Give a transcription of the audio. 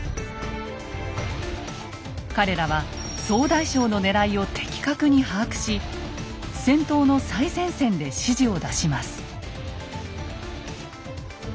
彼らは総大将のねらいを的確に把握し戦闘の最前線で指示を出します。